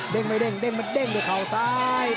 เด้งไปเด้งเด้งมาเด้งด้วยเขาซ้าย